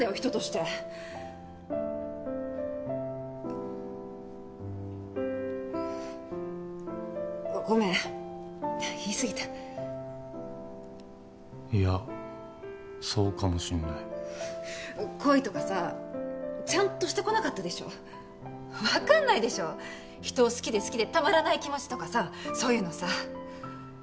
人としてごめん言いすぎたいやそうかもしんない恋とかさちゃんとしてこなかったでしょ分かんないでしょ人を好きで好きでたまらない気持ちとかさそういうのさ